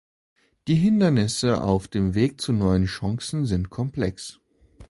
Die Hindernisse auf dem Weg zu neuen Chancen sind komplex.